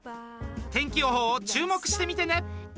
天気予報を注目してみてね！